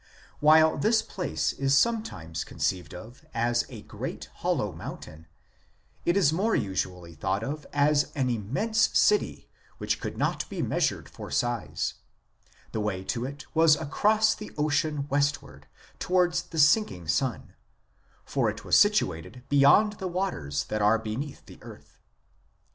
While this place is sometimes conceived of as a great hollow mountain, 8 it is more usually thought of as an immense city which could not be measured for size ; the way to it was across the ocean westward, towards the sinking sun, for it was situated beyond the waters that are beneath the earth.